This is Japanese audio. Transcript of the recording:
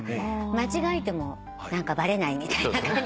間違えてもバレないみたいな。